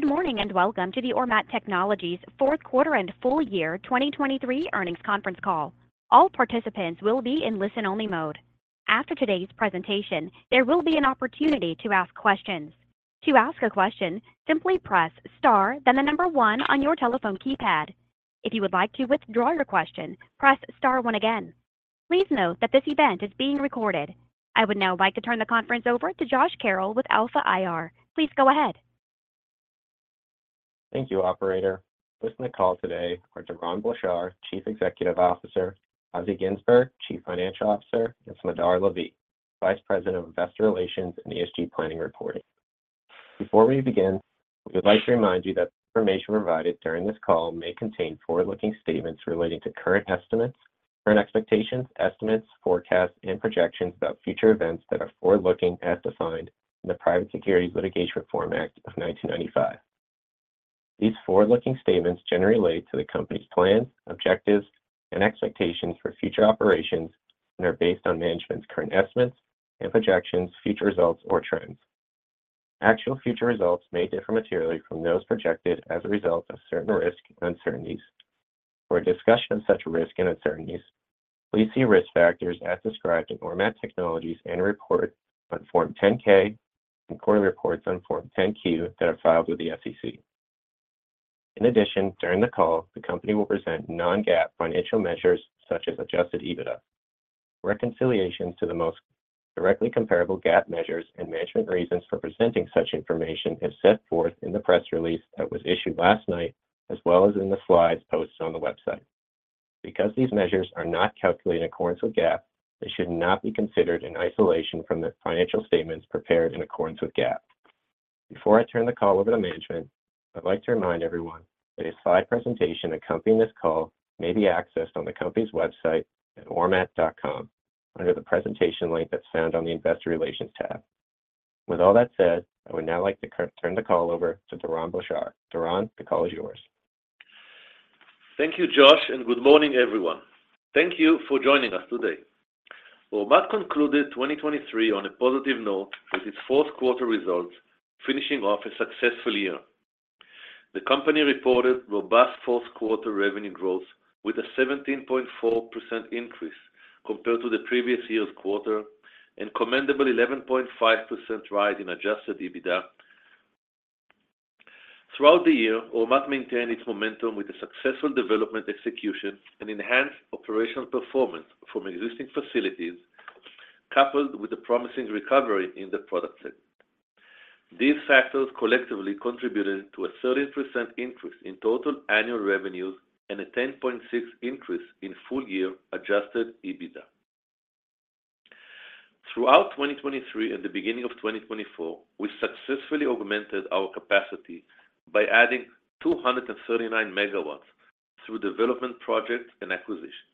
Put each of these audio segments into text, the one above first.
Good morning and welcome to the Ormat Technologies Fourth Quarter and Full Year 2023 Earnings Conference Call. All participants will be in listen-only mode. After today's presentation, there will be an opportunity to ask questions. To ask a question, simply press star then the number one on your telephone keypad. If you would like to withdraw your question, press star one again. Please note that this event is being recorded. I would now like to turn the conference over to Josh Carroll with Alpha IR. Please go ahead. Thank you, Operator. Listening to the call today are Doron Blachar, Chief Executive Officer; Assi Ginzburg, Chief Financial Officer; and Smadar Lavi, Vice President of Investor Relations and ESG Planning & Reporting. Before we begin, we would like to remind you that the information provided during this call may contain forward-looking statements relating to current estimates, current expectations, estimates, forecasts, and projections about future events that are forward-looking as defined in the Private Securities Litigation Reform Act of 1995.These forward-looking statements generally relate to the company's plans, objectives, and expectations for future operations and are based on management's current estimates and projections of future results or trends. Actual future results may differ materially from those projected as a result of certain risks and uncertainties. For a discussion of such risk and uncertainties, please see risk factors as described in Ormat Technologies' annual report on Form 10-K and quarterly reports on Form 10-Q that are filed with the SEC. In addition, during the call, the company will present Non-GAAP financial measures such as Adjusted EBITDA. Reconciliations to the most directly comparable GAAP measures and management reasons for presenting such information are set forth in the press release that was issued last night as well as in the slides posted on the website. Because these measures are not calculated in accordance with GAAP, they should not be considered in isolation from the financial statements prepared in accordance with GAAP. Before I turn the call over to management, I'd like to remind everyone that a slide presentation accompanying this call may be accessed on the company's website at ormat.com under the presentation link that's found on the Investor Relations tab. With all that said, I would now like to turn the call over to Doron Blachar. Doron, the call is yours. Thank you, Josh, and good morning, everyone. Thank you for joining us today. Ormat concluded 2023 on a positive note with its fourth quarter results finishing off a successful year. The company reported robust fourth quarter revenue growth with a 17.4% increase compared to the previous year's quarter and commendable 11.5% rise in Adjusted EBITDA. Throughout the year, Ormat maintained its momentum with a successful development execution and enhanced operational performance from existing facilities, coupled with a promising recovery in the Product segment. These factors collectively contributed to a 13% increase in total annual revenues and a 10.6% increase in full-year Adjusted EBITDA. Throughout 2023 and the beginning of 2024, we successfully augmented our capacity by adding 239 MW through development projects and acquisitions.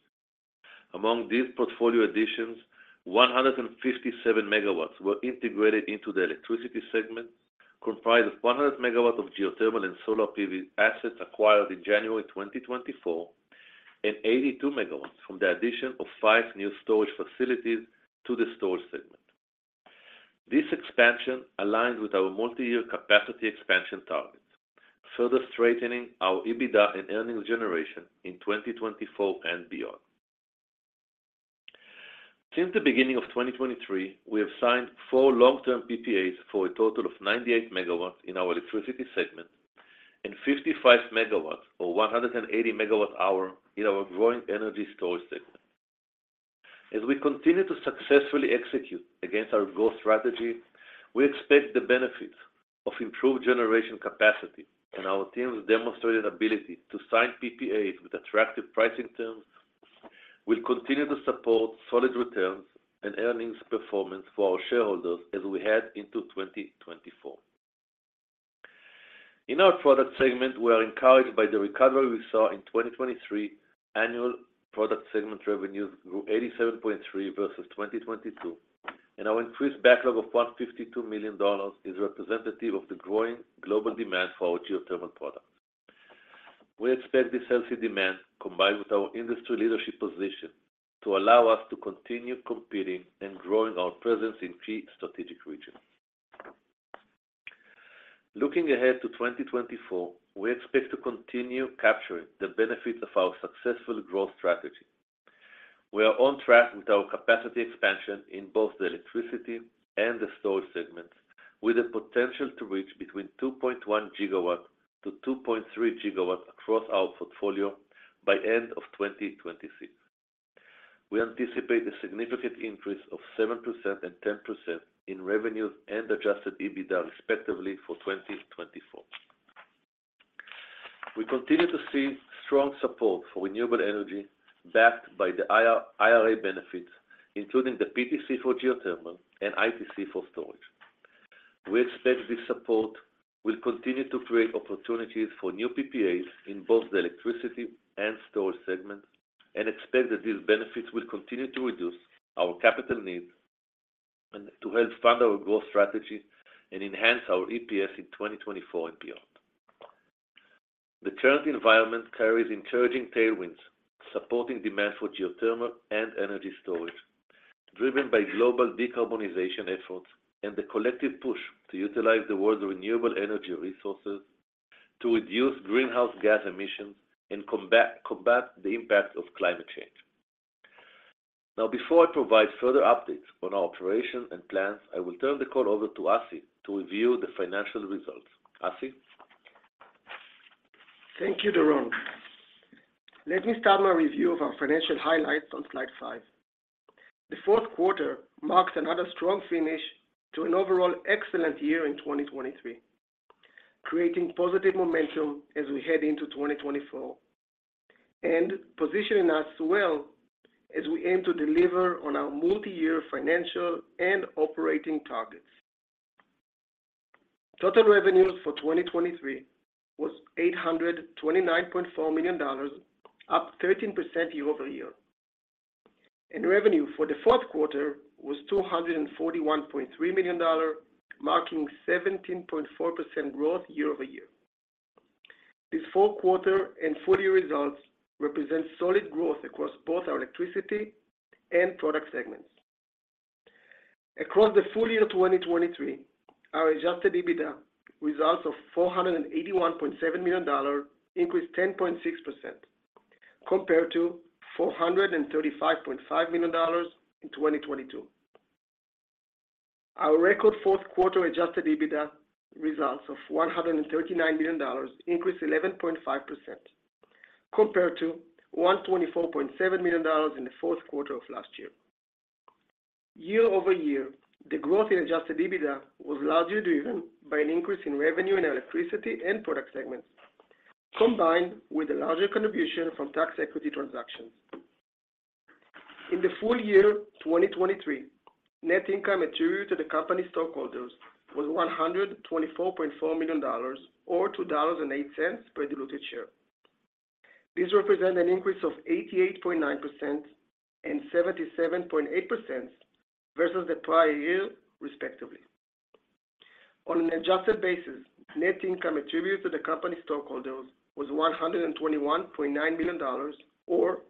Among these portfolio additions, 157 MW were integrated into the Electricity segment, comprised of 100 MW of geothermal and solar PV assets acquired in January 2024, and 82 MW from the addition of five new storage facilities to the storage segment. This expansion aligned with our multi-year capacity expansion target, further strengthening our EBITDA and earnings generation in 2024 and beyond. Since the beginning of 2023, we have signed four long-term PPAs for a total of 98 MW in our Electricity segment and 55 MW or 180 MWh in our growing energy storage segment. As we continue to successfully execute against our growth strategy, we expect the benefits of improved generation capacity and our team's demonstrated ability to sign PPAs with attractive pricing terms will continue to support solid returns and earnings performance for our shareholders as we head into 2024. In our Product segment, we are encouraged by the recovery we saw in 2023. Annual Product segment revenues grew 87.3% versus 2022, and our increased backlog of $152 million is representative of the growing global demand for our geothermal products. We expect this healthy demand, combined with our industry leadership position, to allow us to continue competing and growing our presence in key strategic regions. Looking ahead to 2024, we expect to continue capturing the benefits of our successful growth strategy. We are on track with our capacity expansion in both the Electricity and the Storage segments, with a potential to reach between 2.1-2.3 GW across our portfolio by end of 2026. We anticipate a significant increase of 7% and 10% in revenues and Adjusted EBITDA, respectively, for 2024. We continue to see strong support for renewable energy backed by the IRA benefits, including the PTC for geothermal and ITC for storage. We expect this support will continue to create opportunities for new PPAs in both the electricity and storage segments and expect that these benefits will continue to reduce our capital needs to help fund our growth strategy and enhance our EPS in 2024 and beyond. The current environment carries encouraging tailwinds supporting demand for geothermal and energy storage, driven by global decarbonization efforts and the collective push to utilize the world's renewable energy resources to reduce greenhouse gas emissions and combat the impact of climate change. Now, before I provide further updates on our operation and plans, I will turn the call over to Assi to review the financial results. Assi? Thank you, Doron. Let me start my review of our financial highlights on slide 5. The fourth quarter marks another strong finish to an overall excellent year in 2023, creating positive momentum as we head into 2024 and positioning us well as we aim to deliver on our multi-year financial and operating targets. Total revenues for 2023 was $829.4 million, up 13% year-over-year, and revenue for the fourth quarter was $241.3 million, marking 17.4% growth year-over-year. These fourth quarter and full-year results represent solid growth across both our electricity and Product segments. Across the full year 2023, our Adjusted EBITDA results of $481.7 million increased 10.6% compared to $435.5 million in 2022. Our record fourth quarter Adjusted EBITDA results of $139 million increased 11.5% compared to $124.7 million in the fourth quarter of last year. Year-over-year, the growth in adjusted EBITDA was largely driven by an increase in revenue in electricity and Product segments, combined with a larger contribution from tax equity transactions. In the full year 2023, net income attributed to the company's stockholders was $124.4 million or $2.08 per diluted share. This represents an increase of 88.9% and 77.8% versus the prior year, respectively. On an adjusted basis, net income attributed to the company's stockholders was $121.9 million or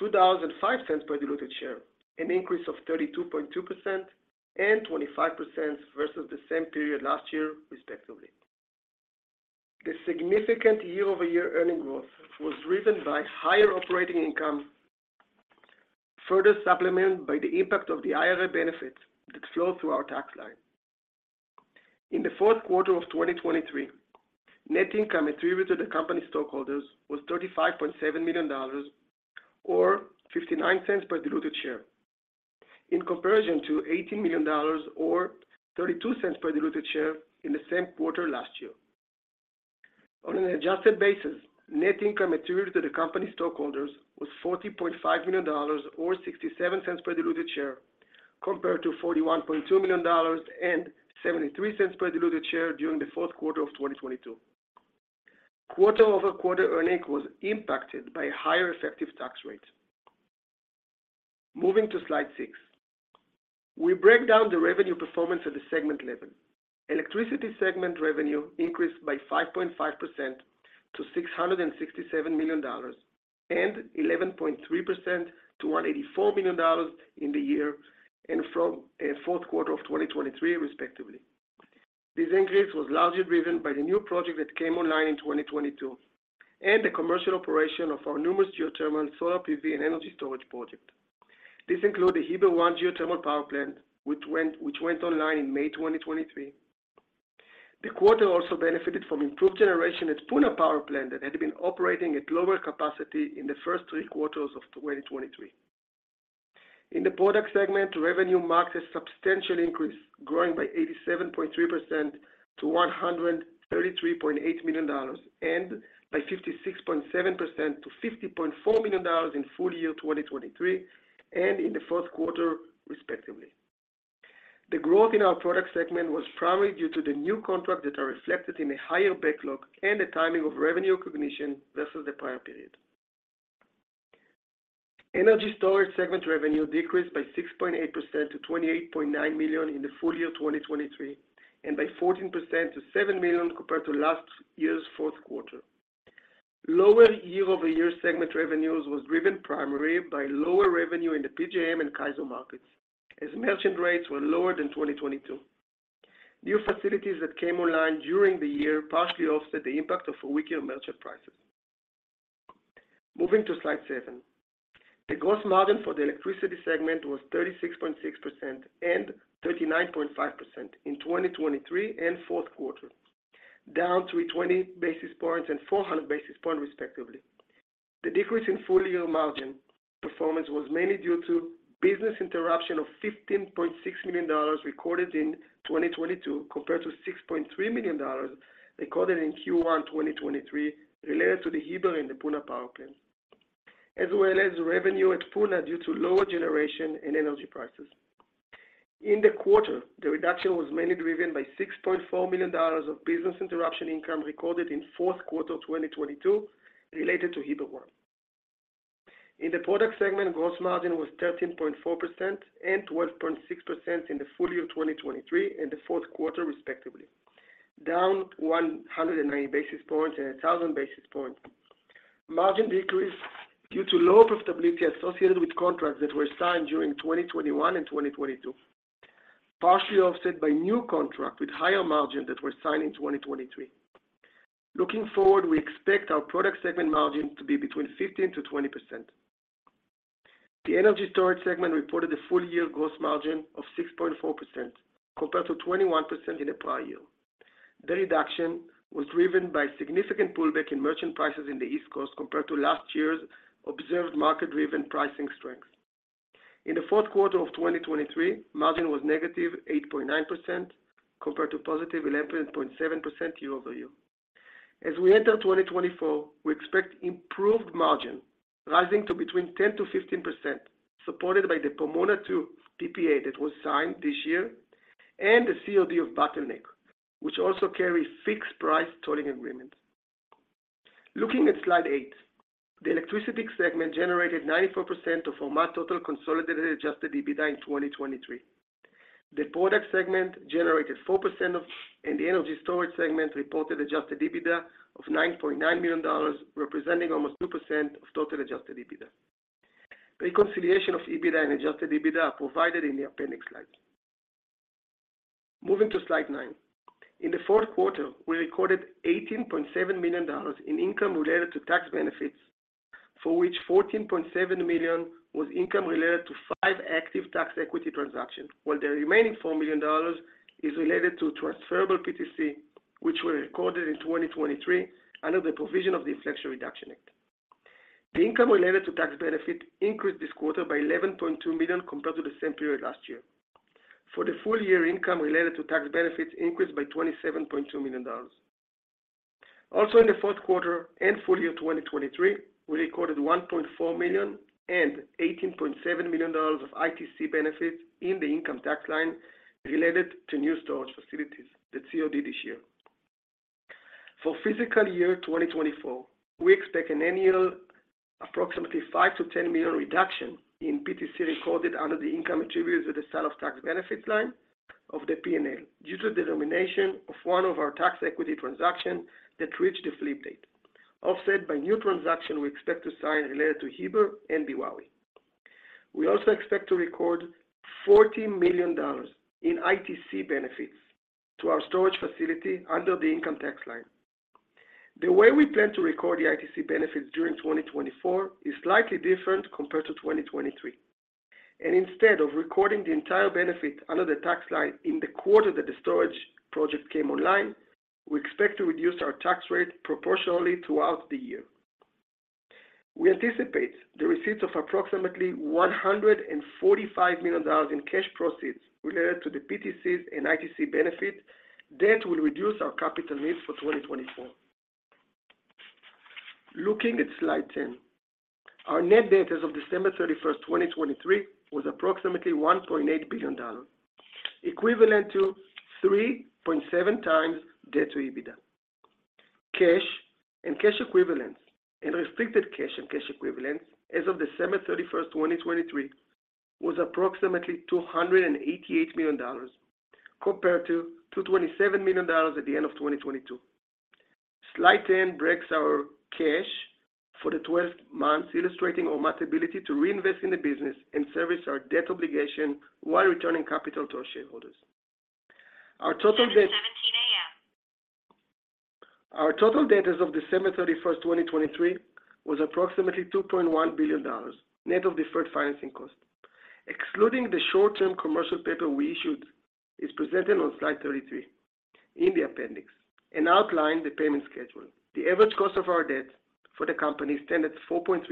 $2.05 per diluted share, an increase of 32.2% and 25% versus the same period last year, respectively. The significant year-over-year earnings growth was driven by higher operating income, further supplemented by the impact of the IRA benefits that flow through our tax line. In the fourth quarter of 2023, net income attributed to the company's stockholders was $35.7 million or $0.59 per diluted share, in comparison to $18 million or $0.32 per diluted share in the same quarter last year. On an adjusted basis, net income attributed to the company's stockholders was $40.5 million or $0.67 per diluted share, compared to $41.2 million and $0.73 per diluted share during the fourth quarter of 2022. Quarter-over-quarter earnings were impacted by a higher effective tax rate. Moving to slide 6, we break down the revenue performance at the segment level. Electricity segment revenue increased by 5.5% to $667 million and 11.3% to $184 million in the year and from fourth quarter of 2023, respectively. This increase was largely driven by the new project that came online in 2022 and the commercial operation of our numerous geothermal, solar PV, and energy storage projects. This included the Heber 1 geothermal power plant, which went online in May 2023. The quarter also benefited from improved generation at Puna power plant that had been operating at lower capacity in the first three quarters of 2023. In the Product segment, revenue marked a substantial increase, growing by 87.3% to $133.8 million and by 56.7% to $50.4 million in full year 2023 and in the fourth quarter, respectively. The growth in our Product segment was primarily due to the new contracts that are reflected in a higher backlog and the timing of revenue recognition versus the prior period. Energy storage segment revenue decreased by 6.8% to $28.9 million in the full year 2023 and by 14% to $7 million compared to last year's fourth quarter. Lower year-over-year segment revenues were driven primarily by lower revenue in the PJM and CAISO markets, as merchant rates were lower than 2022. New facilities that came online during the year partially offset the impact of weaker merchant prices. Moving to slide 7, the gross margin for the Electricity segment was 36.6% and 39.5% in 2023 and fourth quarter, down 320 basis points and 400 basis points, respectively. The decrease in full-year margin performance was mainly due to business interruption of $15.6 million recorded in 2022 compared to $6.3 million recorded in Q1 2023 related to the Heber and the Puna power plants, as well as revenue at Puna due to lower generation and energy prices. In the quarter, the reduction was mainly driven by $6.4 million of business interruption income recorded in fourth quarter 2022 related to Heber 1. In the Product segment, gross margin was 13.4% and 12.6% in the full year 2023 and the fourth quarter, respectively, down 190 basis points and 1,000 basis points. Margin decreased due to low profitability associated with contracts that were signed during 2021 and 2022, partially offset by new contracts with higher margins that were signed in 2023. Looking forward, we expect our Product segment margin to be between 15%-20%. The Energy Storage segment reported a full-year gross margin of 6.4% compared to 21% in the prior year. The reduction was driven by significant pullback in merchant prices in the East Coast compared to last year's observed market-driven pricing strength. In the fourth quarter of 2023, margin was negative 8.9% compared to positive 11.7% year-over-year. As we enter 2024, we expect improved margin rising to between 10%-15%, supported by the Pomona II PPA that was signed this year and the COD of Bottleneck, which also carries fixed price tolling agreements. Looking at slide 8, the Electricity segment generated 94% of Ormat total consolidated Adjusted EBITDA in 2023. The Product segment generated 4% of, and the Energy Storage segment reported Adjusted EBITDA of $9.9 million, representing almost 2% of total Adjusted EBITDA. Reconciliation of EBITDA and Adjusted EBITDA are provided in the appendix slides. Moving to slide 9, in the fourth quarter, we recorded $18.7 million in income related to tax benefits, for which $14.7 million was income related to five active tax equity transactions, while the remaining $4 million is related to transferable PTC, which were recorded in 2023 under the provision of the Inflation Reduction Act. The income related to tax benefits increased this quarter by $11.2 million compared to the same period last year. For the full year, income related to tax benefits increased by $27.2 million. Also, in the fourth quarter and full year 2023, we recorded $1.4 million and $18.7 million of ITC benefits in the income tax line related to new storage facilities that COD this year. For fiscal year 2024, we expect an annual approximately $5 million-$10 million reduction in PTC recorded under the income attributed to the sale of tax benefits line of the P&L due to the termination of one of our tax equity transactions that reached the flip date, offset by new transactions we expect to sign related to Heber and Beowawe. We also expect to record $40 million in ITC benefits to our storage facility under the income tax line. The way we plan to record the ITC benefits during 2024 is slightly different compared to 2023. Instead of recording the entire benefit under the tax line in the quarter that the storage project came online, we expect to reduce our tax rate proportionally throughout the year. We anticipate the receipts of approximately $145 million in cash proceeds related to the PTCs and ITC benefits that will reduce our capital needs for 2024. Looking at slide 10, our net debt as of December 31st, 2023, was approximately $1.8 billion, equivalent to 3.7x debt to EBITDA. Cash and cash equivalents and restricted cash and cash equivalents as of December 31st, 2023, was approximately $288 million compared to $227 million at the end of 2022. Slide 10 breaks our cash for the 12th month, illustrating Ormat's ability to reinvest in the business and service our debt obligation while returning capital to our shareholders. Our total debt as of December 31st, 2023, was approximately $2.1 billion, net of deferred financing costs. Excluding the short-term commercial paper we issued is presented on slide 33 in the appendix and outlines the payment schedule. The average cost of our debt for the company is 10%-4.3%.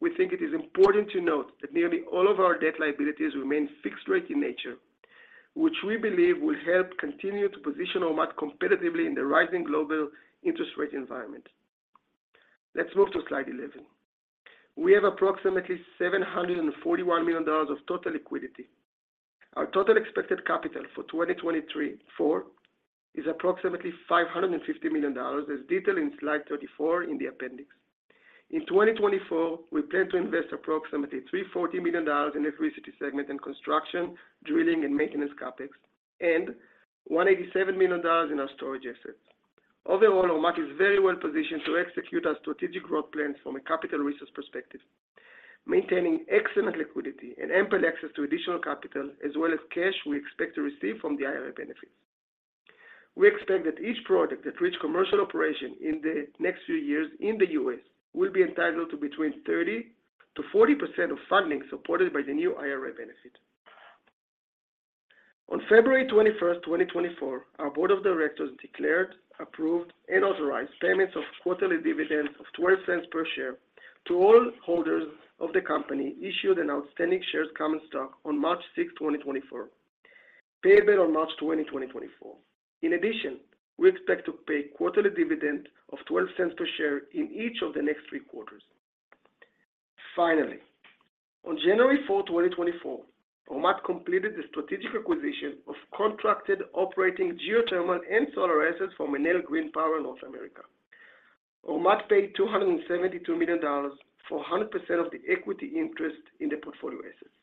We think it is important to note that nearly all of our debt liabilities remain fixed-rate in nature, which we believe will help continue to position Ormat competitively in the rising global interest rate environment. Let's move to slide 11. We have approximately $741 million of total liquidity. Our total expected capital for 2024 is approximately $550 million, as detailed in slide 34 in the appendix. In 2024, we plan to invest approximately $340 million in Electricity segment and construction, drilling, and maintenance CapEx, and $187 million in our storage assets. Overall, Ormat is very well positioned to execute our strategic growth plans from a capital resource perspective, maintaining excellent liquidity and ample access to additional capital, as well as cash we expect to receive from the IRA benefits. We expect that each project that reaches commercial operation in the next few years in the U.S. will be entitled to between 30%-40% of funding supported by the new IRA benefit. On February 21st, 2024, our board of directors declared, approved, and authorized payments of quarterly dividends of $0.12 per share to all holders of the company issued and outstanding shares common stock on March 6th, 2024, payable on March 20, 2024. In addition, we expect to pay quarterly dividends of $0.12 per share in each of the next three quarters. Finally, on January 4th, 2024, Ormat completed the strategic acquisition of contracted operating geothermal and solar assets from Enel Green Power North America. Ormat paid $272 million for 100% of the equity interest in the portfolio assets.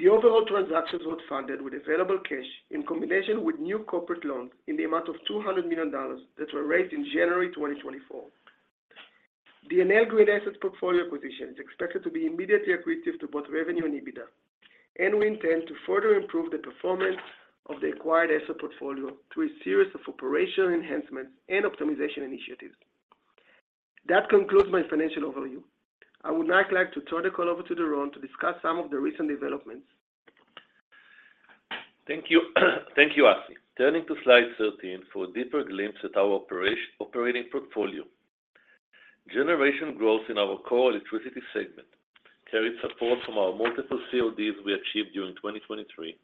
The overall transactions were funded with available cash in combination with new corporate loans in the amount of $200 million that were raised in January 2024. The Enel Green Assets portfolio acquisition is expected to be immediately accretive to both revenue and EBITDA, and we intend to further improve the performance of the acquired asset portfolio through a series of operational enhancements and optimization initiatives. That concludes my financial overview. I would now like to turn the call over to Doron to discuss some of the recent developments. Thank you, Assi Ginzburg. Thank you, Assi. Turning to slide 13 for a deeper glimpse at our operating portfolio. Generation growth in our core Electricity segment carried support from our multiple CODs we achieved during 2023,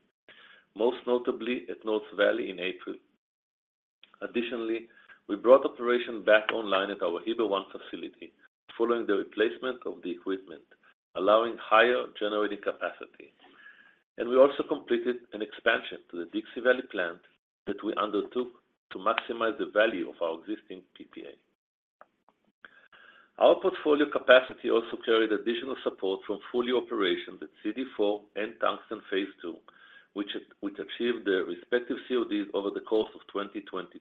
most notably at North Valley in April. Additionally, we brought operation back online at our Heber 1 facility following the replacement of the equipment, allowing higher generating capacity. We also completed an expansion to the Dixie Valley plant that we undertook to maximize the value of our existing PPA. Our portfolio capacity also carried additional support from full year operations at CD4 and Tungsten Phase Two, which achieved their respective CODs over the course of 2022.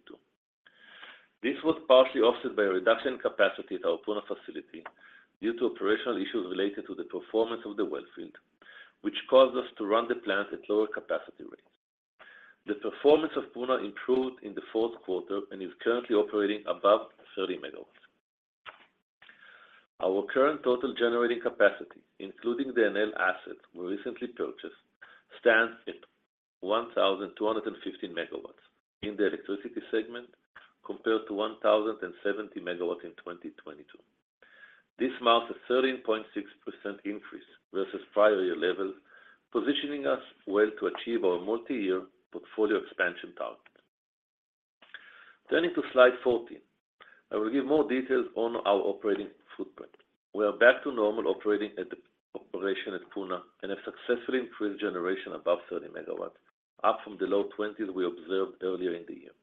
This was partially offset by a reduction in capacity at our Puna facility due to operational issues related to the performance of the wellfield, which caused us to run the plant at lower capacity rates. The performance of Puna improved in the fourth quarter and is currently operating above 30 MW. Our current total generating capacity, including the Enel assets we recently purchased, stands at 1,215 MW in the Electricity segment compared to 1,070 MW in 2022. This marks a 13.6% increase versus prior year levels, positioning us well to achieve our multi-year portfolio expansion target. Turning to slide 14, I will give more details on our operating footprint. We are back to normal operating at the operation at Puna and have successfully increased generation above 30 MW, up from the low 20s we observed earlier in the year.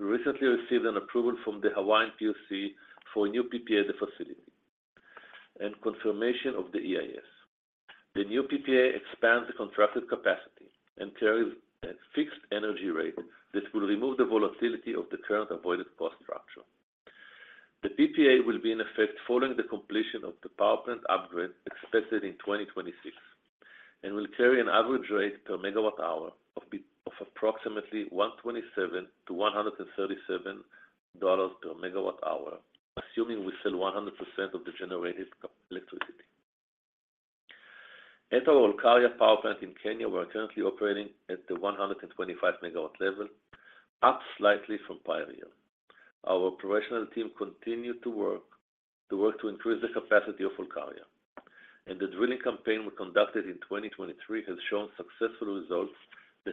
We recently received an approval from the Hawaiian PUC for a new PPA at the facility and confirmation of the EIS. The new PPA expands the contracted capacity and carries a fixed energy rate that will remove the volatility of the current avoided cost structure. The PPA will be in effect following the completion of the power plant upgrade expected in 2026 and will carry an average rate per MWh of approximately $127-$137 per MWh, assuming we sell 100% of the generated electricity. At our Olkaria power plant in Kenya, we are currently operating at the 125 MW level, up slightly from prior year. Our operational team continued to work to increase the capacity of Olkaria, and the drilling campaign we conducted in 2023 has shown successful results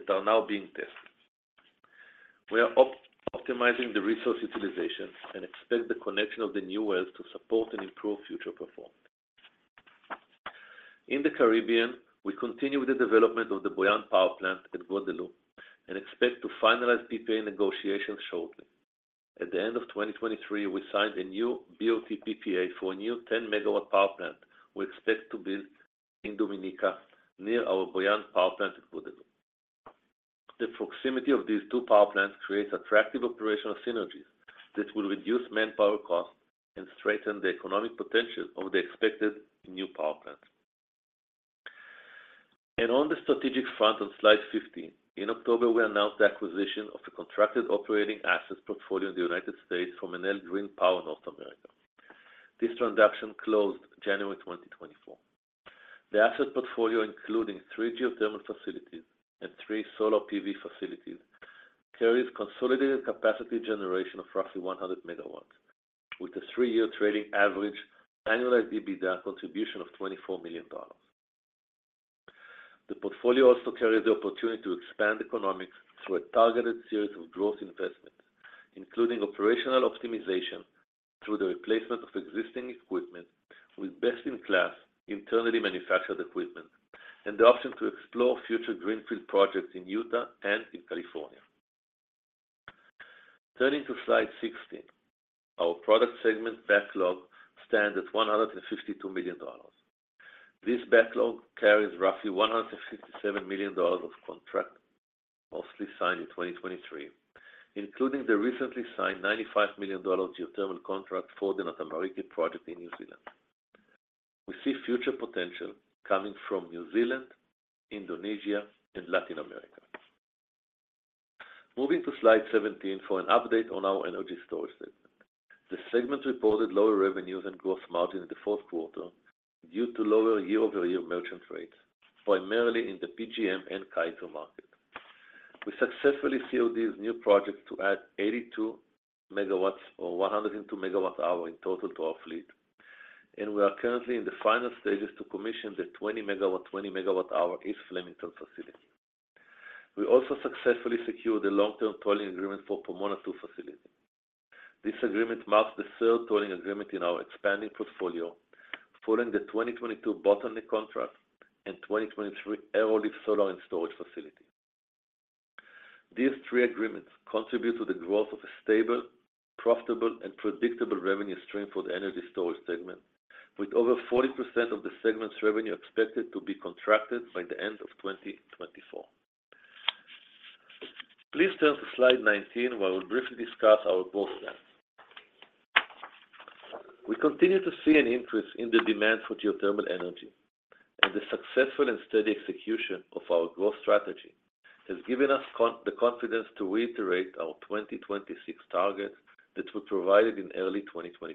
that are now being tested. We are optimizing the resource utilization and expect the connection of the new wells to support and improve future performance. In the Caribbean, we continue with the development of the Bouillante power plant at Guadeloupe and expect to finalize PPA negotiations shortly. At the end of 2023, we signed a new BOT PPA for a new 10 MW power plant we expect to build in Dominica near our Bouillante power plant at Guadeloupe. The proximity of these two power plants creates attractive operational synergies that will reduce manpower costs and strengthen the economic potential of the expected new power plant. On the strategic front, on slide 15, in October, we announced the acquisition of a contracted operating assets portfolio in the United States from Enel Green Power North America. This transaction closed January 2024. The assets portfolio, including three geothermal facilities and three solar PV facilities, carries consolidated capacity generation of roughly 100 MW, with a three-year trailing average annualized EBITDA contribution of $24 million. The portfolio also carries the opportunity to expand economics through a targeted series of growth investments, including operational optimization through the replacement of existing equipment with best-in-class internally manufactured equipment and the option to explore future greenfield projects in Utah and in California. Turning to slide 16, our Product segment backlog stands at $152 million. This backlog carries roughly $157 million of contracts mostly signed in 2023, including the recently signed $95 million geothermal contract for the Ngā Tamariki project in New Zealand. We see future potential coming from New Zealand, Indonesia, and Latin America. Moving to slide 17 for an update on our energy storage segment. The segment reported lower revenues and gross margin in the fourth quarter due to lower year-over-year merchant rates, primarily in the PJM and CAISO market. We successfully COD-ed new projects to add 82 MW or 102 MWhs in total to our fleet, and we are currently in the final stages to commission the 20-MWh East Flemington facility. We also successfully secured a long-term tolling agreement for Pomona II facility. This agreement marks the third tolling agreement in our expanding portfolio, following the 2022 Bottleneck contract and 2023 Arrowleaf Solar and Storage facility. These three agreements contribute to the growth of a stable, profitable, and predictable revenue stream for the energy storage segment, with over 40% of the segment's revenue expected to be contracted by the end of 2024. Please turn to slide 19, where I will briefly discuss our growth plans. We continue to see an increase in the demand for geothermal energy, and the successful and steady execution of our growth strategy has given us the confidence to reiterate our 2026 targets that were provided in early 2022.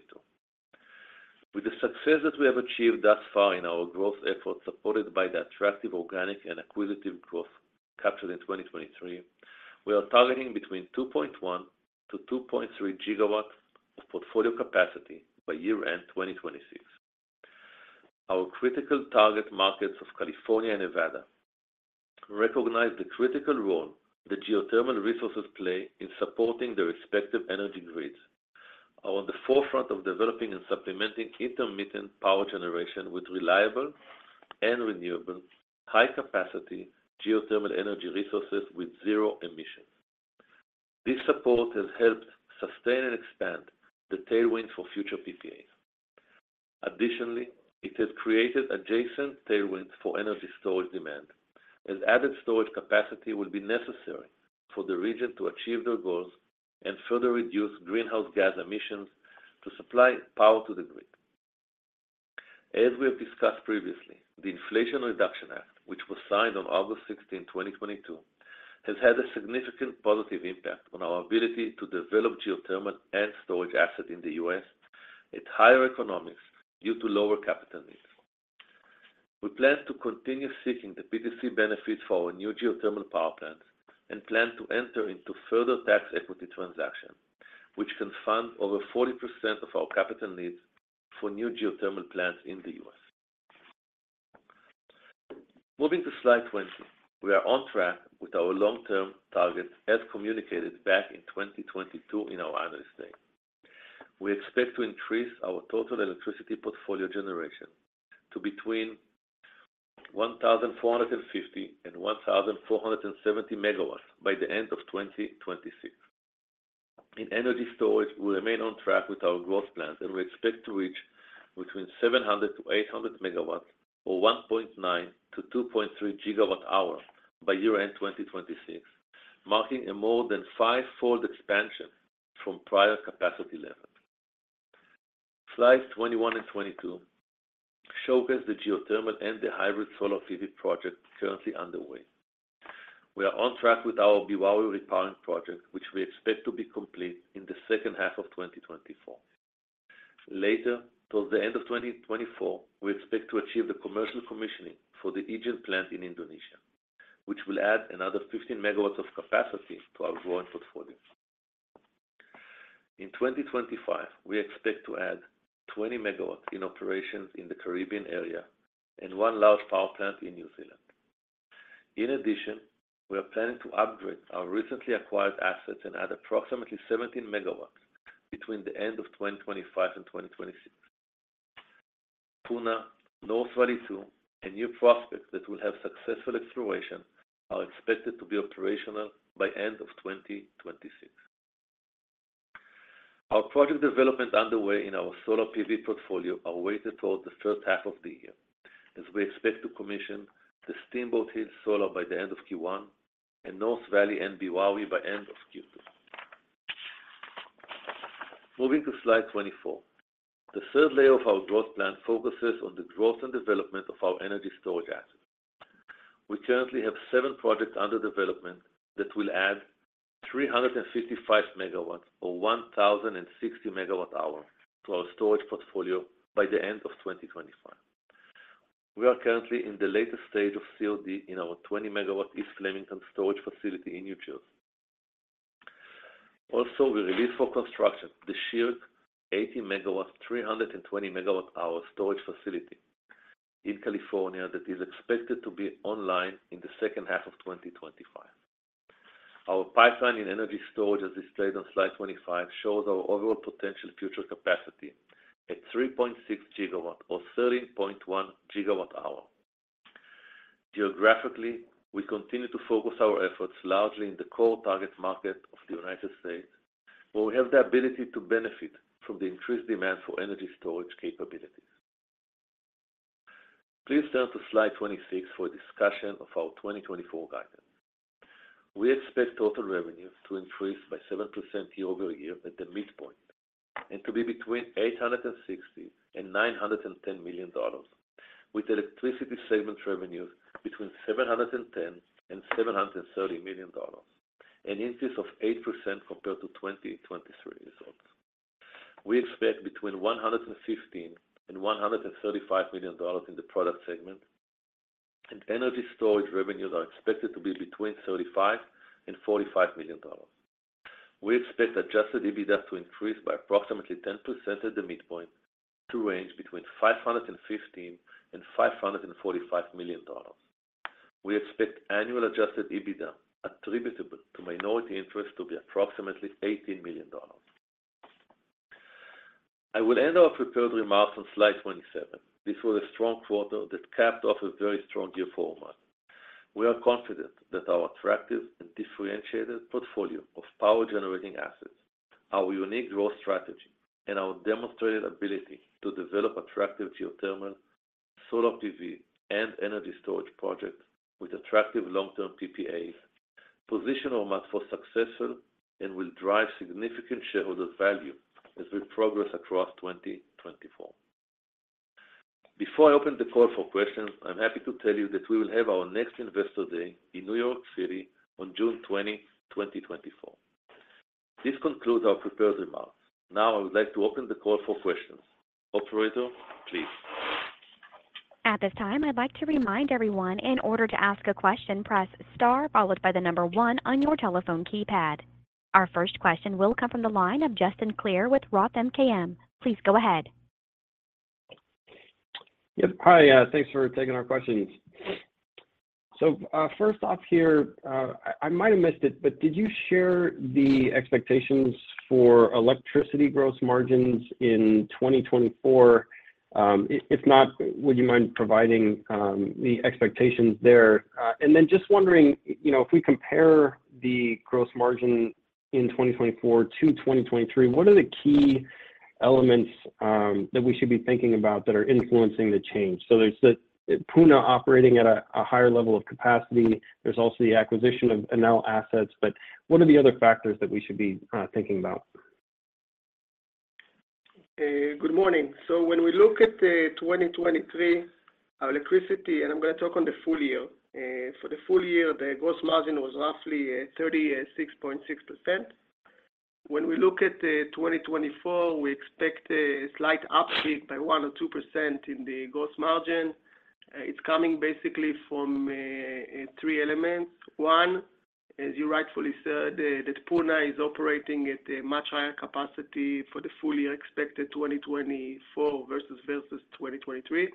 With the success that we have achieved thus far in our growth efforts supported by the attractive organic and acquisitive growth captured in 2023, we are targeting between 2.1-2.3 GW of portfolio capacity by year-end 2026. Our critical target markets of California and Nevada recognize the critical role that geothermal resources play in supporting their respective energy grids. We are on the forefront of developing and supplementing intermittent power generation with reliable and renewable, high-capacity geothermal energy resources with zero emissions. This support has helped sustain and expand the tailwinds for future PPAs. Additionally, it has created adjacent tailwinds for energy storage demand, as added storage capacity will be necessary for the region to achieve their goals and further reduce greenhouse gas emissions to supply power to the grid. As we have discussed previously, the Inflation Reduction Act, which was signed on August 16, 2022, has had a significant positive impact on our ability to develop geothermal and storage assets in the U.S. at higher economics due to lower capital needs. We plan to continue seeking the PTC benefits for our new geothermal power plants and plan to enter into further tax equity transactions, which can fund over 40% of our capital needs for new geothermal plants in the U.S.. Moving to slide 20, we are on track with our long-term targets as communicated back in 2022 in our analyst data. We expect to increase our total electricity portfolio generation to between 1,450 and 1,470 MW by the end of 2026. In energy storage, we remain on track with our growth plans, and we expect to reach between 700-800 MW or 1.9-2.3 GWh by year-end 2026, marking a more than five-fold expansion from prior capacity levels. Slides 21 and 22 showcase the geothermal and the hybrid solar PV project currently underway. We are on track with our Beowawe repowering project, which we expect to be complete in the second half of 2024. Later, towards the end of 2024, we expect to achieve the commercial commissioning for the Ijen plant in Indonesia, which will add another 15 MW of capacity to our growing portfolio. In 2025, we expect to add 20 MW in operations in the Caribbean area and one large power plant in New Zealand. In addition, we are planning to upgrade our recently acquired assets and add approximately 17 MW between the end of 2025 and 2026. Puna, North Valley II, and new prospects that will have successful exploration are expected to be operational by end of 2026. Our project development underway in our solar PV portfolio awaits towards the first half of the year, as we expect to commission the Steamboat Hills Solar by the end of Q1 and North Valley and Beowawe by end of Q2. Moving to slide 24, the third layer of our growth plan focuses on the growth and development of our energy storage assets. We currently have seven projects under development that will add 355 MW or 1,060 MWh to our storage portfolio by the end of 2025. We are currently in the latest stage of COD in our 20 MW East Flemington storage facility in New Jersey. Also, we released for construction the Sher 80 MW, 320 MWh storage facility in California that is expected to be online in the second half of 2025. Our pipeline in energy storage, as displayed on slide 25, shows our overall potential future capacity at 3.6 GW or 13.1 GWh. Geographically, we continue to focus our efforts largely in the core target market of the United States, where we have the ability to benefit from the increased demand for energy storage capabilities. Please turn to slide 26 for a discussion of our 2024 guidance. We expect total revenues to increase by 7% year-over-year at the midpoint and to be between $860-$910 million, with Electricity segment revenues between $710-$730 million, an increase of 8% compared to 2023 results. We expect $115 million-$135 million in the Product segment, and energy storage revenues are expected to be $35 million-$45 million. We expect adjusted EBITDA to increase by approximately 10% at the midpoint to range between $515 million-$545 million. We expect annual adjusted EBITDA attributable to minority interests to be approximately $18 million. I will end our prepared remarks on slide 27. This was a strong quarter that capped off a very strong year for Ormat. We are confident that our attractive and differentiated portfolio of power-generating assets, our unique growth strategy, and our demonstrated ability to develop attractive geothermal, solar PV, and energy storage projects with attractive long-term PPAs position Ormat for successful and will drive significant shareholder value as we progress across 2024. Before I open the call for questions, I'm happy to tell you that we will have our next investor day in New York City on June 20, 2024. This concludes our prepared remarks. Now, I would like to open the call for questions. Operator, please. At this time, I'd like to remind everyone, in order to ask a question, press star followed by the number one on your telephone keypad. Our first question will come from the line of Justin Clare with Roth MKM. Please go ahead. Yep. Hi. Thanks for taking our questions. So first off here, I might have missed it, but did you share the expectations for electricity growth margins in 2024? If not, would you mind providing the expectations there? And then just wondering, if we compare the growth margin in 2024 to 2023, what are the key elements that we should be thinking about that are influencing the change? So there's Puna operating at a higher level of capacity. There's also the acquisition of Enel assets. But what are the other factors that we should be thinking about? Good morning. So when we look at 2023 electricity, and I'm going to talk on the full year. For the full year, the growth margin was roughly 36.6%. When we look at 2024, we expect a slight uptick by 1% or 2% in the growth margin. It's coming basically from three elements. One, as you rightfully said, that Puna is operating at a much higher capacity for the full year expected 2024 versus 2023.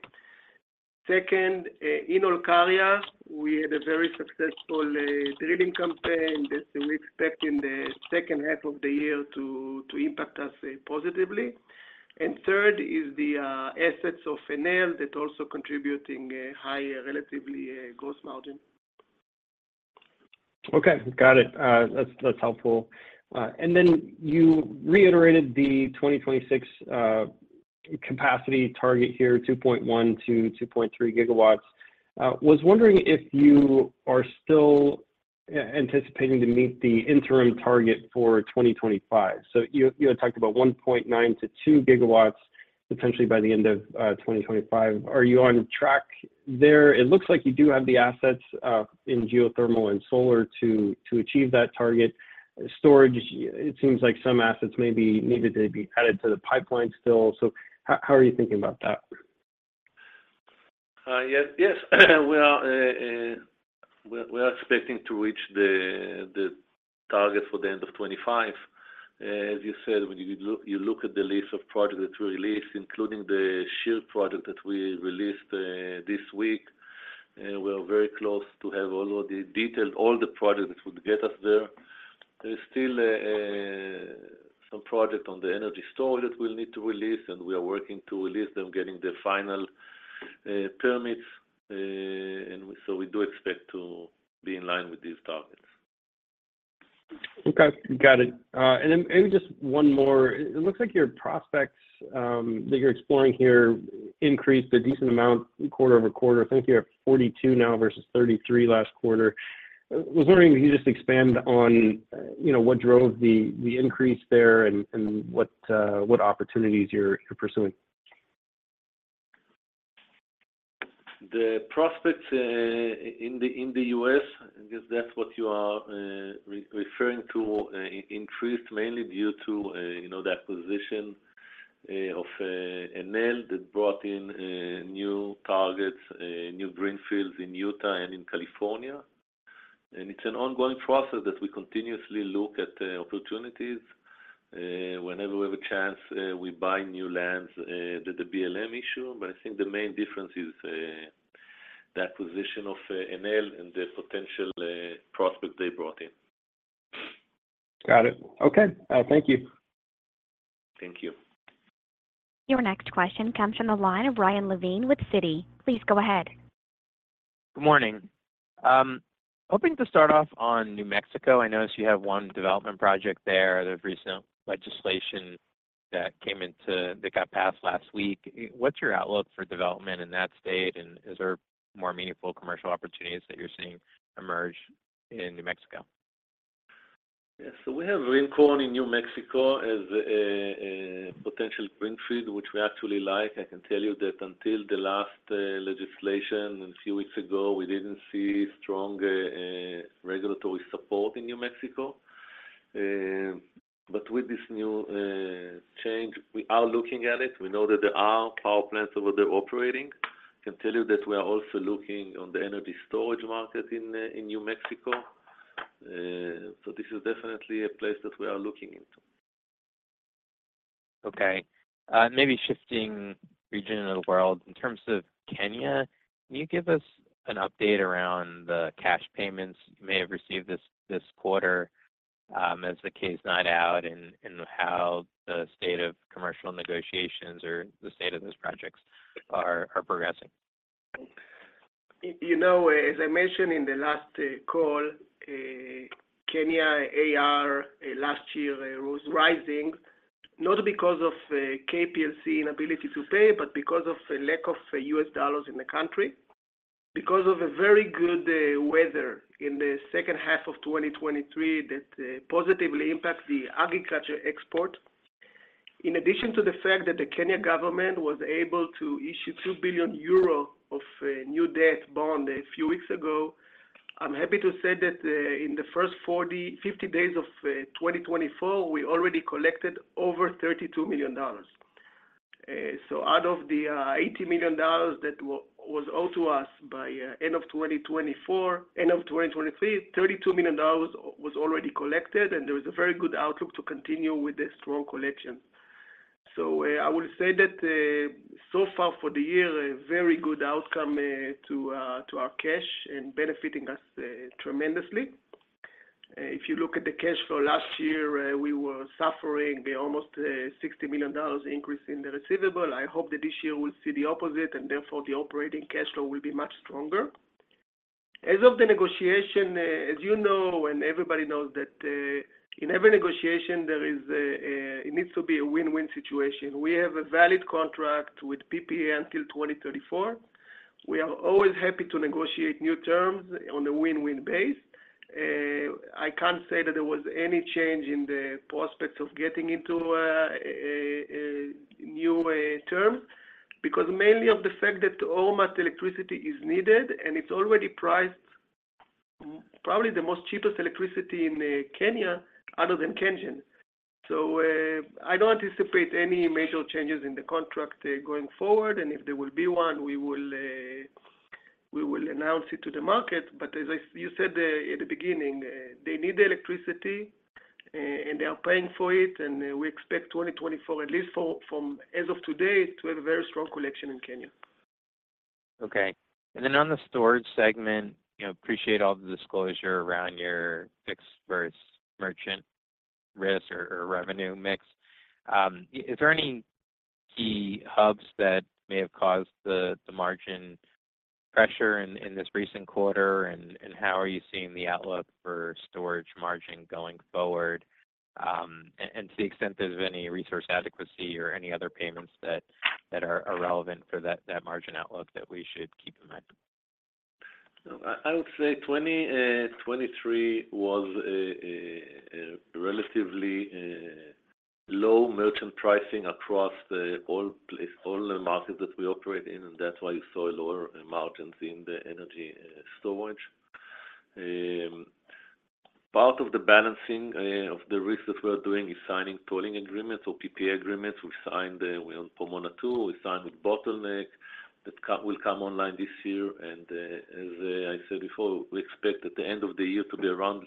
Second, in Olkaria, we had a very successful drilling campaign that we expect in the second half of the year to impact us positively. And third is the assets of Enel that are also contributing higher relatively growth margin. Okay. Got it. That's helpful. Then you reiterated the 2026 capacity target here, 2.1-2.3 GW. I was wondering if you are still anticipating to meet the interim target for 2025. You had talked about 1.9-2 GW potentially by the end of 2025. Are you on track there? It looks like you do have the assets in geothermal and solar to achieve that target. Storage, it seems like some assets may be needed to be added to the pipeline still. How are you thinking about that? Yes. We are expecting to reach the target for the end of 2025. As you said, when you look at the list of projects that we released, including the Sher project that we released this week, we are very close to have all the detailed all the projects that would get us there. There is still some project on the energy storage that we'll need to release, and we are working to release them, getting the final permits. And so we do expect to be in line with these targets. Okay. Got it. And then maybe just one more. It looks like your prospects that you're exploring here increased a decent amount quarter-over-quarter. I think you're at 42 now versus 33 last quarter. I was wondering if you could just expand on what drove the increase there and what opportunities you're pursuing. The prospects in the U.S., I guess that's what you are referring to, increased mainly due to the acquisition of Enel that brought in new targets, new greenfields in Utah and in California. It's an ongoing process that we continuously look at opportunities. Whenever we have a chance, we buy new lands that the BLM issue. I think the main difference is the acquisition of Enel and the potential prospects they brought in. Got it. Okay. Thank you. Thank you. Your next question comes from the line of Ryan Levine with Citi. Please go ahead. Good morning. Hoping to start off on New Mexico. I noticed you have one development project there. There's recent legislation that came into that got passed last week. What's your outlook for development in that state, and is there more meaningful commercial opportunities that you're seeing emerge in New Mexico? Yeah. So we have Rincon in New Mexico as a potential greenfield, which we actually like. I can tell you that until the last legislation a few weeks ago, we didn't see strong regulatory support in New Mexico. But with this new change, we are looking at it. We know that there are power plants over there operating. I can tell you that we are also looking on the energy storage market in New Mexico. So this is definitely a place that we are looking into. Okay. Maybe shifting region of the world. In terms of Kenya, can you give us an update around the cash payments you may have received this quarter as the cash inflows and how the state of commercial negotiations or the state of those projects are progressing? As I mentioned in the last call, Kenya AR last year was rising, not because of KPLC inability to pay, but because of a lack of U.S. dollars in the country, because of a very good weather in the second half of 2023 that positively impacted the agriculture export. In addition to the fact that the Kenya government was able to issue 2 billion euro of new debt bond a few weeks ago, I'm happy to say that in the first 50 days of 2024, we already collected over $32 million. So out of the $80 million that was owed to us by end of 2023, $32 million was already collected, and there is a very good outlook to continue with the strong collections. So I will say that so far for the year, a very good outcome to our cash and benefiting us tremendously. If you look at the cash flow last year, we were suffering almost a $60 million increase in the receivable. I hope that this year we'll see the opposite, and therefore, the operating cash flow will be much stronger. As of the negotiation, as you know and everybody knows that in every negotiation, it needs to be a win-win situation. We have a valid contract with PPA until 2034. We are always happy to negotiate new terms on a win-win base. I can't say that there was any change in the prospects of getting into new terms because mainly of the fact that Ormat's electricity is needed, and it's already priced probably the most cheapest electricity in Kenya other than Kenyan. So I don't anticipate any major changes in the contract going forward. And if there will be one, we will announce it to the market. But as you said at the beginning, they need the electricity, and they are paying for it. We expect 2024, at least as of today, to have a very strong collection in Kenya. Okay. On the storage segment, I appreciate all the disclosure around your fixed versus merchant risk or revenue mix. Is there any key hubs that may have caused the margin pressure in this recent quarter, and how are you seeing the outlook for storage margin going forward, and to the extent there's any resource adequacy or any other payments that are relevant for that margin outlook that we should keep in mind? I would say 2023 was a relatively low merchant pricing across all the markets that we operate in, and that's why you saw lower margins in the energy storage. Part of the balancing of the risk that we're doing is signing tolling agreements or PPA agreements. We signed on Pomona II. We signed with Bottleneck that will come online this year. And as I said before, we expect at the end of the year to be around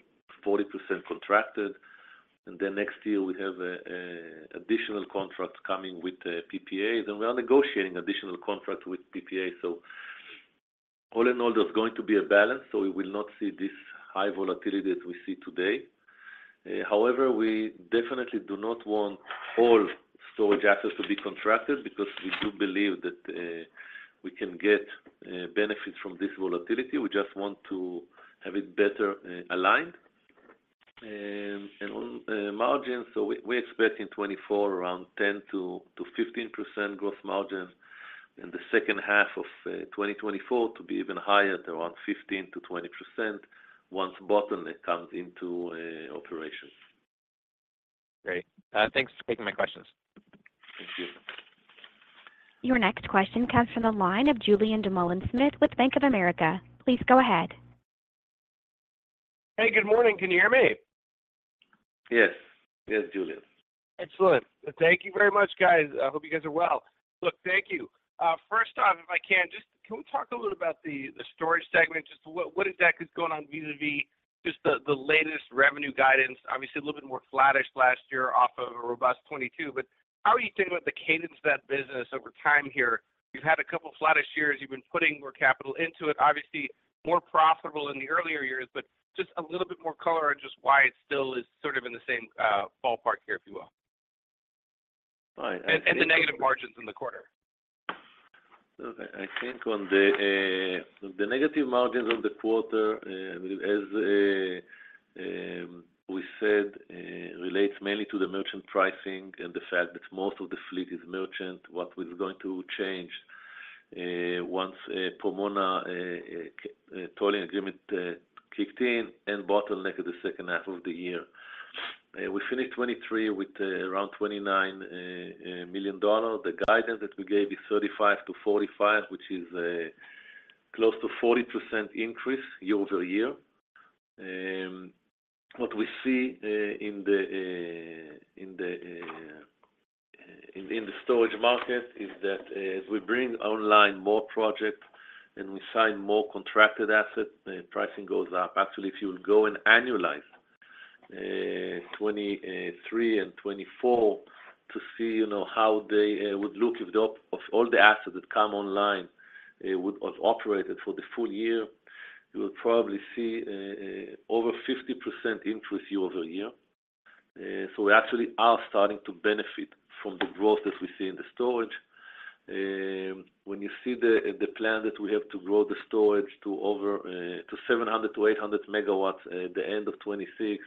40% contracted. And then next year, we have additional contracts coming with PPA, and we are negotiating additional contracts with PPA. So all in all, there's going to be a balance, so we will not see this high volatility that we see today. However, we definitely do not want all storage assets to be contracted because we do believe that we can get benefits from this volatility. We just want to have it better aligned. On margins, so we expect in 2024 around 10%-15% growth margin, and the second half of 2024 to be even higher, around 15%-20% once Bottleneck comes into operation. Great. Thanks for taking my questions. Thank you. Your next question comes from the line of Julien Dumoulin-Smith with Bank of America. Please go ahead. Hey. Good morning. Can you hear me? Yes. Yes, Julien. Excellent. Thank you very much, guys. I hope you guys are well. Look, thank you. First off, if I can, can we talk a little bit about the storage segment? Just what exactly is going on vis-à-vis just the latest revenue guidance? Obviously, a little bit more flatter last year off of a robust 2022. But how are you thinking about the cadence of that business over time here? You've had a couple of flatter years. You've been putting more capital into it, obviously more profitable in the earlier years, but just a little bit more color on just why it still is sort of in the same ballpark here, if you will, and the negative margins in the quarter. So I think on the look, the negative margins on the quarter, as we said, relates mainly to the merchant pricing and the fact that most of the fleet is merchant. What is going to change once Pomona tolling agreement kicked in and Bottleneck at the second half of the year? We finished 2023 with around $29 million. The guidance that we gave is $35-$45 million, which is close to 40% increase year-over-year. What we see in the storage market is that as we bring online more projects and we sign more contracted assets, pricing goes up. Actually, if you will go and annualize 2023 and 2024 to see how they would look, if all the assets that come online would have operated for the full year, you will probably see over 50% increase year-over-year. So we actually are starting to benefit from the growth that we see in the storage. When you see the plan that we have to grow the storage to 700-800 MW at the end of 2026,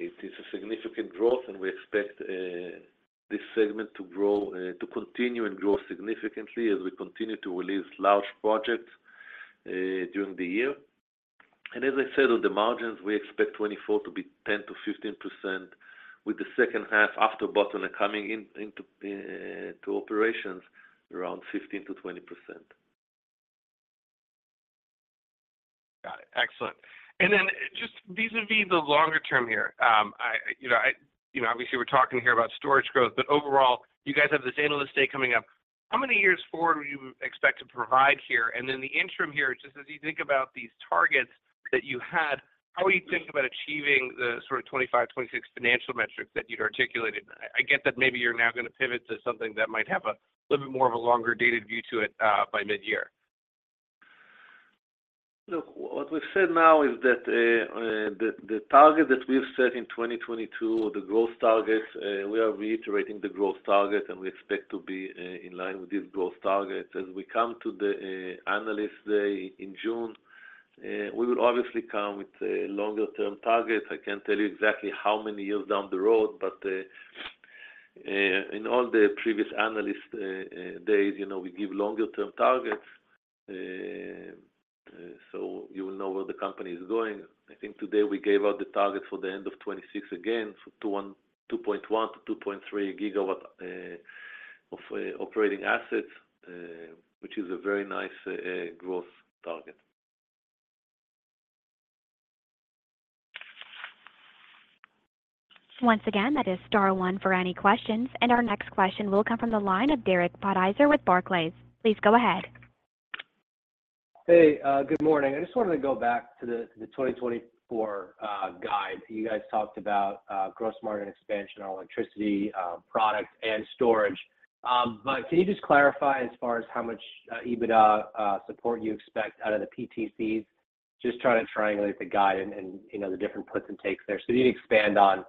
it is a significant growth, and we expect this segment to continue and grow significantly as we continue to release large projects during the year. And as I said, on the margins, we expect 2024 to be 10%-15%, with the second half after Bottleneck coming into operations around 15%-20%. Got it. Excellent. And then just vis-à-vis the longer term here, obviously, we're talking here about storage growth, but overall, you guys have this Analyst Day coming up. How many years forward do you expect to provide here? And then the interim here, just as you think about these targets that you had, how are you thinking about achieving the sort of 2025, 2026 financial metrics that you'd articulated? I get that maybe you're now going to pivot to something that might have a little bit more of a longer-dated view to it by mid-year. Look, what we've said now is that the target that we've set in 2022, the growth targets, we are reiterating the growth target, and we expect to be in line with these growth targets. As we come to the Analyst Day in June, we will obviously come with longer-term targets. I can't tell you exactly how many years down the road, but in all the previous Analyst Days, we give longer-term targets, so you will know where the company is going. I think today, we gave out the targets for the end of 2026 again for 2.1-2.3 GW of operating assets, which is a very nice growth target. Once again, that is star one for any questions. And our next question will come from the line of Derek Podhaizer with Barclays. Please go ahead. Hey. Good morning. I just wanted to go back to the 2024 guide. You guys talked about gross margin expansion on electricity, product, and storage. But can you just clarify as far as how much EBITDA support you expect out of the PTCs? Just trying to triangulate the guide and the different puts and takes there. So do you need to expand on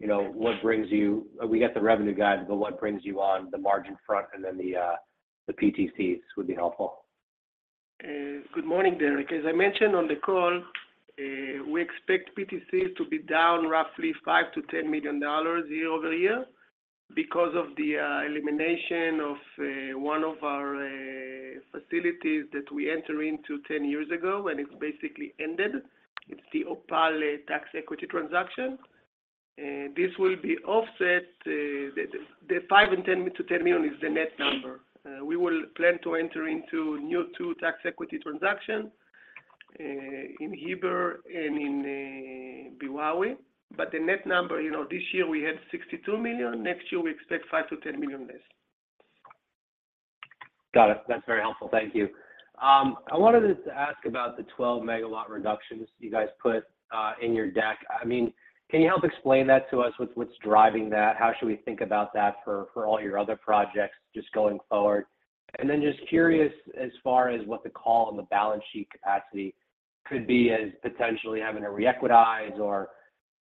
what brings you we got the revenue guide, but what brings you on the margin front and then the PTCs would be helpful. Good morning, Derek. As I mentioned on the call, we expect PTCs to be down roughly $5 million-$10 million year-over-year because of the elimination of one of our facilities that we entered into 10 years ago, and it's basically ended. It's the Opal tax equity transaction. This will be offset. The $5 million-$10 million is the net number. We will plan to enter into two new tax equity transactions in Heber and in Beowawe. But the net number, this year, we had $62 million. Next year, we expect $5 million-$10 million less. Got it. That's very helpful. Thank you. I wanted to ask about the 12-MW reductions you guys put in your deck. I mean, can you help explain that to us? What's driving that? How should we think about that for all your other projects just going forward? And then just curious as far as what the call on the balance sheet capacity could be as potentially having to re-equitize or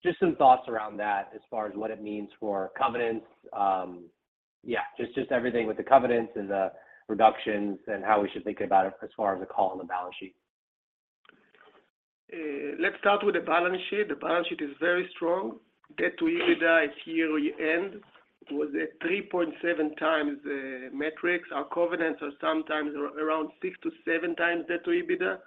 just some thoughts around that as far as what it means for covenants. Yeah, just everything with the covenants and the reductions and how we should think about it as far as a call on the balance sheet. Let's start with the balance sheet. The balance sheet is very strong. Debt to EBITDA is year-end. It was a 3.7 times metric. Our covenants are sometimes around 6-7 times debt to EBITDA.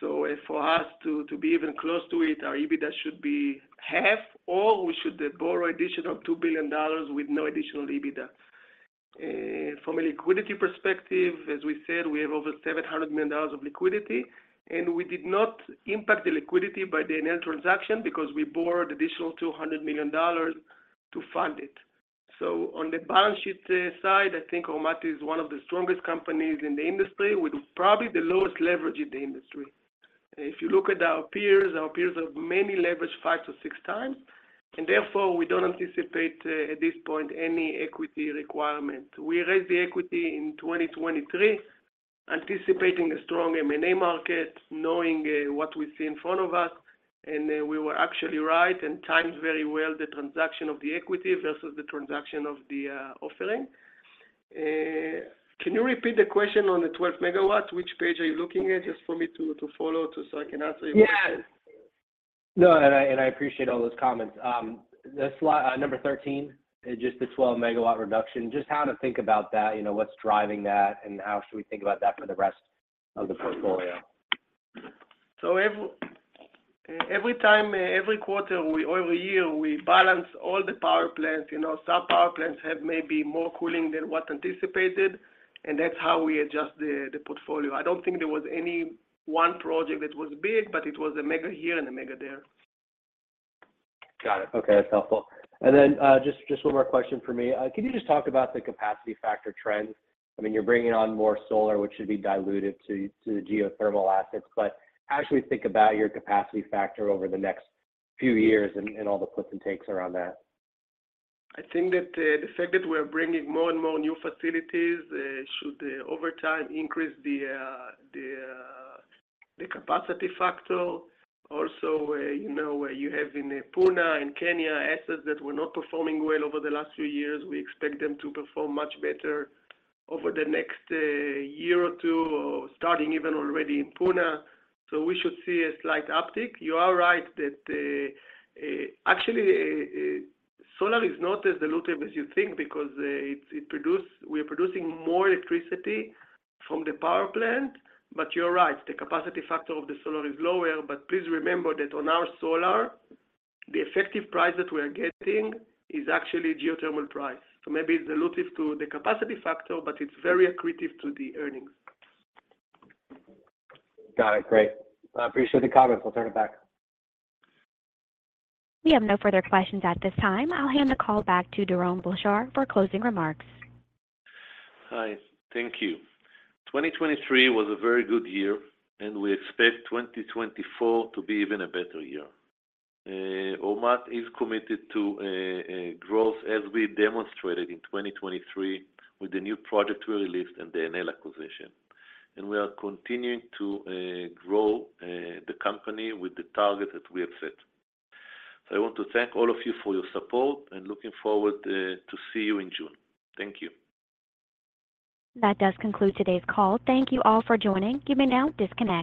So for us to be even close to it, our EBITDA should be half, or we should borrow additional $2 billion with no additional EBITDA. From a liquidity perspective, as we said, we have over $700 million of liquidity, and we did not impact the liquidity by the Enel transaction because we borrowed additional $200 million to fund it. So on the balance sheet side, I think Ormat is one of the strongest companies in the industry with probably the lowest leverage in the industry. If you look at our peers, our peers have many leveraged 5-6 times, and therefore, we don't anticipate at this point any equity requirement. We raised the equity in 2023 anticipating a strong M&A market, knowing what we see in front of us. We were actually right and timed very well the transaction of the equity versus the transaction of the offering. Can you repeat the question on the 12 MW? Which page are you looking at just for me to follow so I can answer your question? Yes. No, and I appreciate all those comments. Number 13, just the 12 MW reduction, just how to think about that, what's driving that, and how should we think about that for the rest of the portfolio? Every quarter or every year, we balance all the power plants. Some power plants have maybe more cooling than what anticipated, and that's how we adjust the portfolio. I don't think there was any one project that was big, but it was a mega here and a mega there. Got it. Okay. That's helpful. And then just one more question for me. Can you just talk about the capacity factor trends? I mean, you're bringing on more solar, which should be diluted to the geothermal assets, but how should we think about your capacity factor over the next few years and all the puts and takes around that? I think that the fact that we are bringing more and more new facilities should over time increase the capacity factor. Also, you have in Puna and Kenya assets that were not performing well over the last few years. We expect them to perform much better over the next year or two or starting even already in Puna. So we should see a slight uptick. You are right that actually, solar is not as diluted as you think because we are producing more electricity from the power plant. But you're right. The capacity factor of the solar is lower. But please remember that on our solar, the effective price that we are getting is actually geothermal price. So maybe it's diluted to the capacity factor, but it's very accretive to the earnings. Got it. Great. I appreciate the comments. We'll turn it back. We have no further questions at this time. I'll hand the call back to Doron Blachar for closing remarks. Hi. Thank you. 2023 was a very good year, and we expect 2024 to be even a better year. Ormat is committed to growth as we demonstrated in 2023 with the new project we released and the Enel acquisition. And we are continuing to grow the company with the targets that we have set. So I want to thank all of you for your support and looking forward to seeing you in June. Thank you. That does conclude today's call. Thank you all for joining. You may now disconnect.